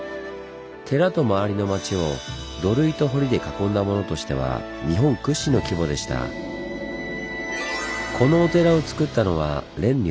寺と周りの町を土塁と堀で囲んだものとしてはこのお寺をつくったのは蓮如。